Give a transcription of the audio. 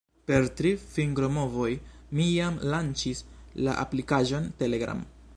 Per tri fingromovoj, mi jam lanĉis la aplikaĵon Telegram.